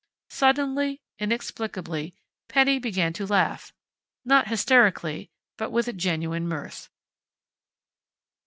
Suddenly, inexplicably, Penny began to laugh not hysterically, but with genuine mirth.